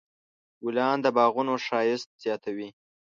ګلان د باغونو ښایست زیاتوي.